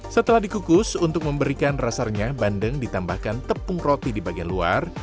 setelah dikukus untuk memberikan rasa renyah bandeng ditambahkan tepung roti di bagian luar